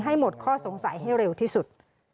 ให้หมดข้อสงสัยให้เร็วที่สุด